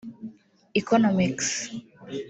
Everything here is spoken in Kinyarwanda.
Economics